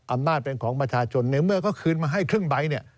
อำนาจเป็นของประชาชนเนี่ยเมื่อก็คืนมาให้ครึ่งใบ